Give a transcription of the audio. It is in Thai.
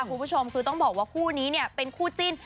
คุณผู้ชมคือต้องบอกว่าคู่นี้เนี่ยเป็นคู่จิ้น